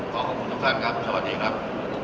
ขอขอบคุณทุกท่านครับสวัสดีครับ